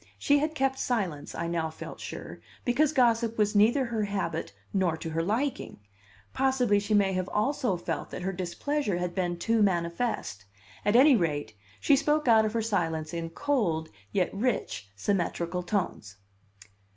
She had kept silence, I now felt sure, because gossip was neither her habit nor to her liking. Possibly she may have also felt that her displeasure had been too manifest; at any rate, she spoke out of her silence in cold, yet rich, symmetrical tones.